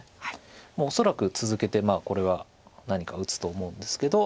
もう恐らく続けてこれは何か打つと思うんですけど。